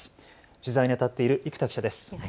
取材にあたっている生田記者です。